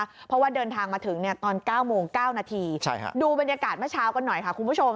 เพราะว่าเดินทางมาถึงเนี่ยตอน๙โมง๙นาทีดูบรรยากาศเมื่อเช้ากันหน่อยค่ะคุณผู้ชม